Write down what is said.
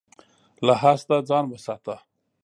له حسده ځان وساته.